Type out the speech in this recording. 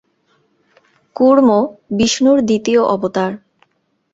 কূর্ম বিষ্ণুর দ্বিতীয় অবতার।